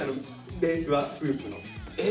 ベースはスープの。